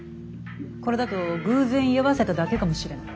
これだと偶然居合わせただけかもしれない。